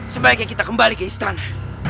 sebaiknya kita kembali ke istana